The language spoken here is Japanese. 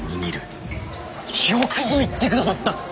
よくぞ言って下さった！